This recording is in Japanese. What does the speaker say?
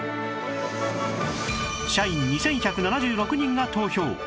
社員２１７６人が投票！